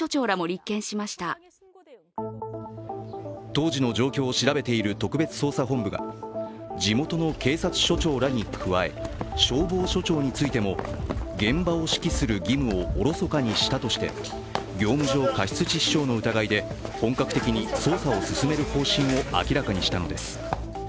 当時の状況を調べている特別捜査本部が地元の警察署長らに加え、消防署長についても現場を指揮する義務をおろそかにしたとして業務上過失致死傷の疑いで本格的に捜査を進める方針を明らかにしたのです。